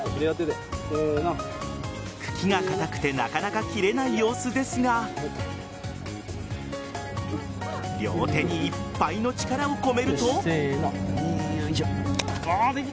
茎が硬くてなかなか切れない様子ですが両手にいっぱいの力を込めると。